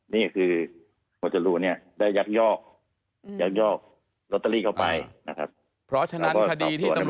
นี่คือหมวดจรูนเนี่ยได้ยักยอกยักยอกลอตเตอรี่เข้าไปนะครับ